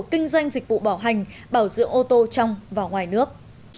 kinh doanh dịch vụ bảo hành bảo dưỡng ô tô trong và ngoài nước